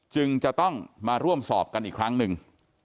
จึงจะต้องมาร่วมสอบกันอีกครั้งหนึ่ง